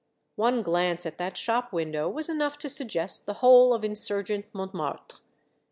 One glance at that shop window was enough to suggest the whole of insurgent Mont martre.